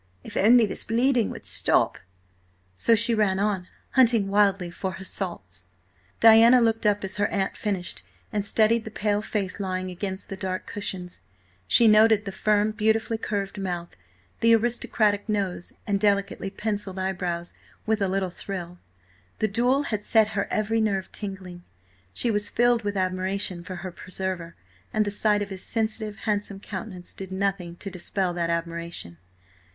If only this bleeding would stop!" So she ran on, hunting wildly for her salts. Diana looked up as her aunt finished, and studied the pale face lying against the dark cushions. She noted the firm, beautifully curved mouth, the aristocratic nose and delicately pencilled eyebrows, with a little thrill. The duel had set her every nerve tingling; she was filled with admiration for her preserver, and the sight of his sensitive, handsome countenance did nothing to dispel that admiration.